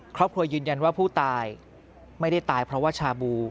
ครอบครัวยืนยันว่าผู้ตายไม่ได้ตายเพราะว่าชาบู